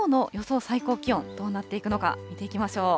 最高気温どうなっていくのか、見ていきましょう。